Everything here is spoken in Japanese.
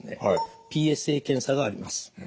ＰＳＡ検査があります。